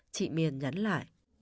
chị miền nhắn lại